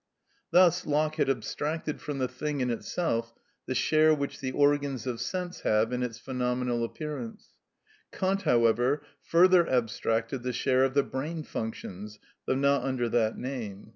Thus Locke had abstracted from the thing in itself the share which the organs of sense have in its phenomenal appearance; Kant, however, further abstracted the share of the brain functions (though not under that name).